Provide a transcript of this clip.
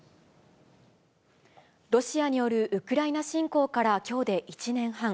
ロシアによるウクライナ侵攻からきょうで１年半。